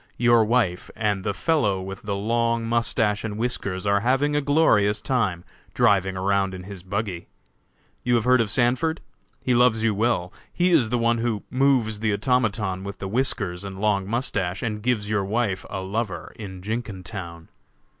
Your wife and the fellow with the long mustache and whiskers are having a glorious time, driving around in his buggy. "You have heard of Sanford? He loves you well. He is the one who moves the automaton with the whiskers and long mustache, and gives your wife a lover in Jenkintown.